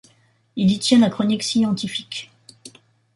Il y tient la chronique scientifique.